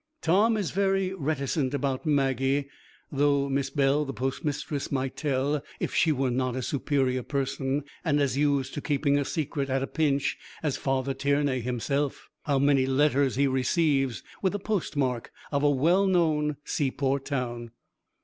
Tom is very reticent about Maggie, though Miss Bell, the postmistress, might tell, if she were not a superior person, and as used to keeping a secret at a pinch as Father Tiernay himself, how many letters he receives with the post mark of a well known seaport town.